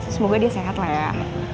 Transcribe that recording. semoga dia sehat lah ya